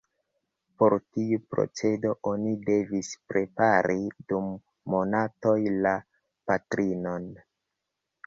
Por tiu procedo oni devis prepari dum monatoj la patrinon.